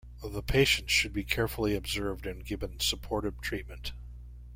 The patient should be carefully observed and given supportive treatment.